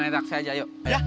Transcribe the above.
nah rejeknya anak saya coy